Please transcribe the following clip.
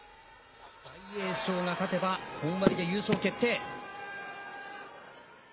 大栄翔が勝てば本割で優勝決定。